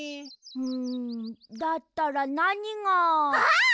んだったらなにが。あっ！